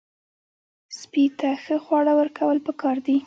سپي ته ښه خواړه ورکول پکار دي.